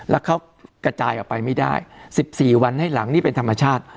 แล้วเขากระจายออกไปไม่ได้๑๔วันให้หลังนี่เป็นธรรมชาติ